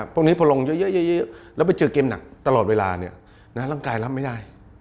พวกนี้พอลงเยอะแล้วไปเจอเกมหนักตลอดเวลาเนี่ยร่างกายรับไม่ได้